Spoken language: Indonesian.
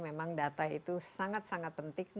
memang data itu sangat sangat penting